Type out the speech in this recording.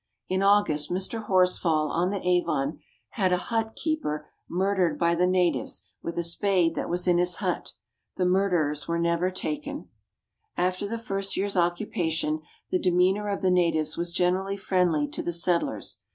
In August Mr. Horsfall, on the Avon, had a hut keeper mur dered by the natives, with a spade that was in his hut. The murderers were never taken. After the first year's occupation, the demeanour of the natives was generally friendly to the settlers.